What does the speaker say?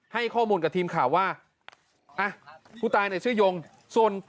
ให้ข้อมูลกับทีมข่าวว่าอ่ะผู้ตายเนี่ยชื่อยงส่วน